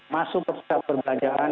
masuk ke pusat perbelanjaan